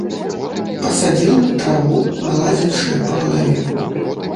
Пасадзіла на траву, гладзячы па галаве.